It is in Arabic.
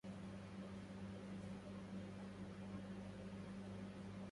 تفرّغ فاضل لمساعدة أطفال الشّوارع.